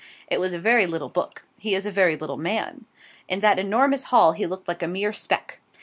It was a very little book. He is a very little man. In that enormous hall he looked like a mere speck.